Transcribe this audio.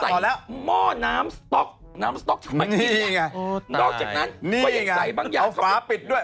ใส่หม้อน้ำสต๊อกน้ำสต๊อกนี่ไงนอกจากนั้นนี่ไงเอาฟ้าปิดด้วย